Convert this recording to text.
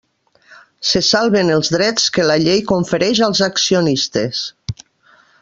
Se salven els drets que la llei confereix als accionistes.